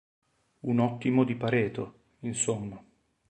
Un ottimo di Pareto, insomma.